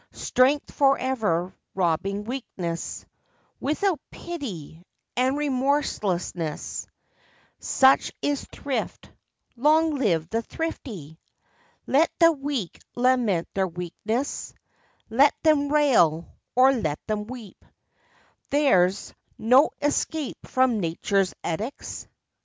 Strength forever robbing weakness Without pity, and remorseless— Such is thrift. Long live the thrifty ! Let the weak lament their weakness; Let them rail or let them weep—there's No escape from nature's edicts.